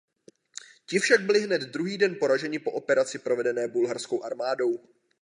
Ti však byli hned druhý den poraženi po operaci provedené bulharskou armádou.